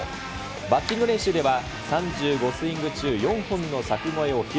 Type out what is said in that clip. バッティング練習では、３５スイング中４本のさく越えを披露。